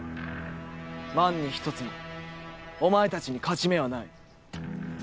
万に一つもお前たちに勝ち目はない。